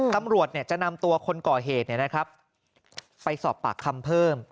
ตำรวจจะนำตัวคนก่อเหตุไปสอบปากคำเพิ่ม